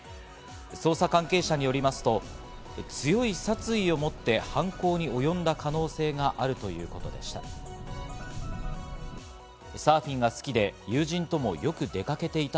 捜査関係者によりますと、強い殺意を持って犯行におよんだ可能性があるということでした。